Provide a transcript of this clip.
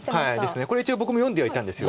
これ一応僕も読んではいたんです。